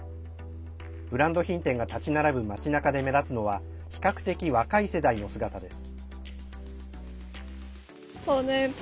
ブランド品店が立ち並ぶ町なかで目立つのは比較的若い世代の姿です。